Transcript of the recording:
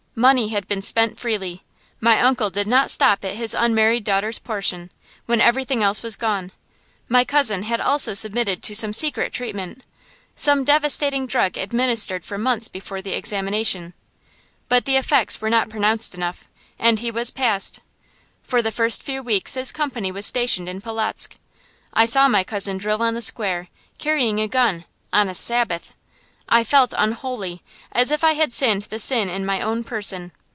Money had been spent freely my uncle did not stop at his unmarried daughter's portion, when everything else was gone. My cousin had also submitted to some secret treatment, some devastating drug administered for months before the examination, but the effects were not pronounced enough, and he was passed. For the first few weeks his company was stationed in Polotzk. I saw my cousin drill on the square, carrying a gun, on a Sabbath. I felt unholy, as if I had sinned the sin in my own person.